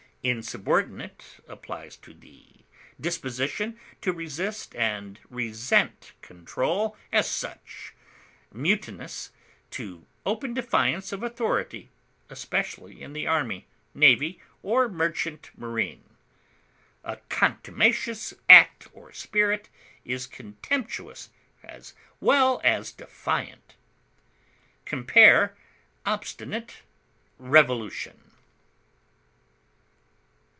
Insubordinate applies to the disposition to resist and resent control as such; mutinous, to open defiance of authority, especially in the army, navy, or merchant marine. A contumacious act or spirit is contemptuous as well as defiant. Compare OBSTINATE; REVOLUTION.